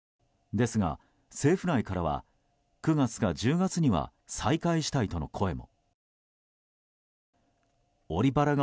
ですが、政府内からは９月か１０月には再開したいとの声も。